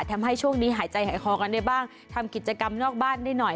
ทำให้ช่วงนี้หายใจหายคอกันได้บ้างทำกิจกรรมนอกบ้านได้หน่อย